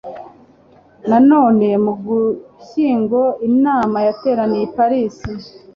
Nanone mu Ugushyingo inama yateraniye i Paris